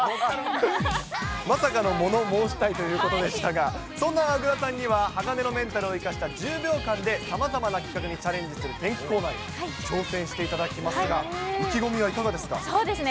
まさかの物申したいということでしたが、そんな小椋さんには鋼のメンタルを生かした１０秒間でさまざまな企画にチャレンジする天気コーナーに挑戦していただきますが、そうですね。